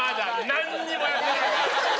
何にもやってないから。